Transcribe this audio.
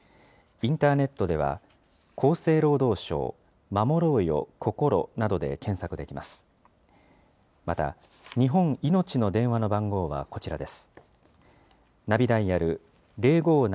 インターネットでは、厚生労働省、まもろうよこころなどで検索できます。